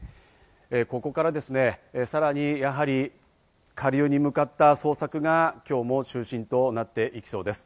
ここからですね、さらに下流に向かった捜索が今日も中心となっていきそうです。